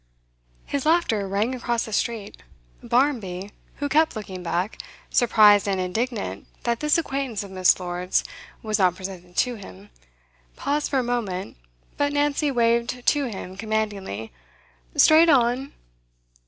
His laughter rang across the street; Barmby, who kept looking back, surprised and indignant that this acquaintance of Miss. Lord's was not presented to him, paused for a moment, but Nancy waved to him commandingly, 'Straight on!